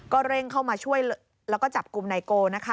ก็เร่งเข้ามาช่วยแล้วก็จับกลุ่มไนโก้